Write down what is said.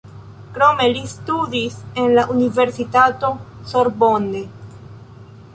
Krome li studis en la universitato Sorbonne.